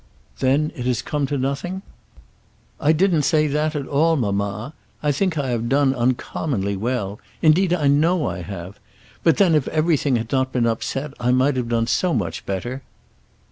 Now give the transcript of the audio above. "Then it has come to nothing?" "I didn't say that at all, mamma. I think I have done uncommonly well. Indeed I know I have. But then if everything had not been upset, I might have done so much better."